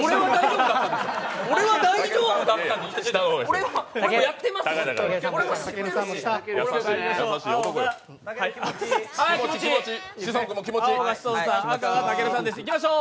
俺は大丈夫だったでしょ。